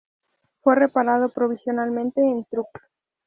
Fue reparado provisionalmente en Truk.